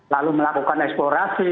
lalu melakukan eksplorasi